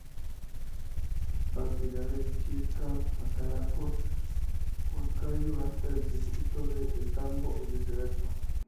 Partirá de Chilca, pasará por Huancayo hasta el distrito de El Tambo y viceversa.